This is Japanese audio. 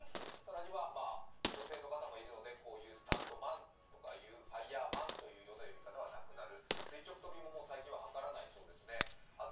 更には女性の方もいるのでスタントマンとかファイヤーマンというような呼び方はなくなる、垂直跳びも最近は、はからないそうですね。